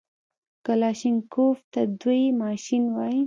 کلاشينکوف ته دوى ماشين وايي.